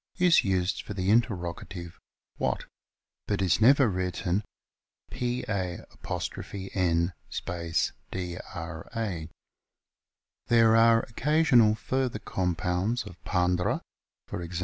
") is used for the interrogative "what ?" but is never written pan dra. There are occasional further com pounds of pandra, e.g.